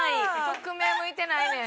匿名向いてないねん。